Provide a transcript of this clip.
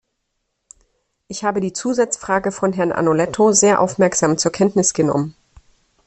Ich habe die Zusatzfrage von Herrn Agnoletto sehr aufmerksam zur Kenntnis genommen.